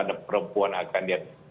ada perempuan akan